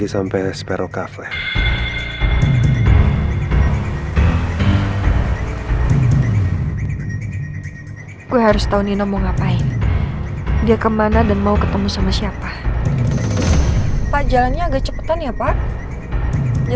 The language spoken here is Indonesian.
sampai jumpa di video selanjutnya